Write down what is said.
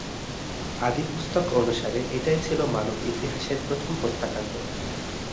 আদিপুস্তক অনুসারে, এটাই ছিল মানব ইতিহাসের প্রথম হত্যাকাণ্ড।